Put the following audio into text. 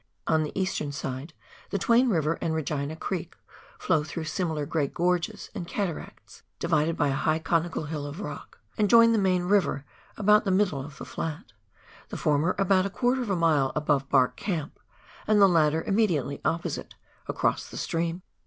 On the eastern side the Twain Hiver and Regina Creek flow through similar great gorges and cataracts, divided by a high conical hill of rock, and join the main river about the middle of the flat — the former about a quarter of a mile above " Bark " Camp and the latter imme diately opposite, across the stream.